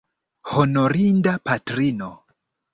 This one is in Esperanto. Honorinda patrino!